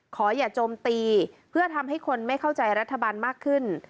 ขออย่าโจมตีเพื่อทำให้คนไม่เข้าใจรัฐบาลมากขึ้น